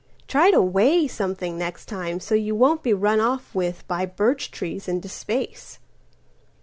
Try to weigh something next time, so you won'tBe run off with by birch trees into space."